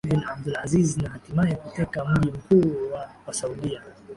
Saud bin Abdul Aziz na hatimaye kuteka mji mkuu wa Wasaudia